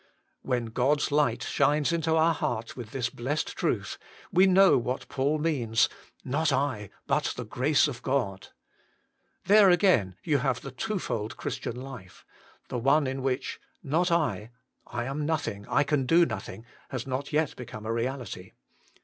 When God s light shines into our heart with this blessed truth, we know what Paul means, " Not I, but the grace of God." There again you have the twofold Chris tian life. The one, in which that " Not I " I ain nothing, I can do nothing has not yet become a reality.